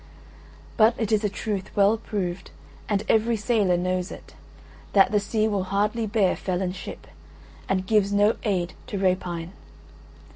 But it is a truth well proved, and every sailor knows it, that the sea will hardly bear a felon ship, and gives no aid to rapine.